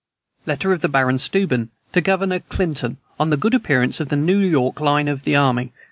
Letter of the Baron Steuben to Governor Clinton on the good appearance of the New York line of the army.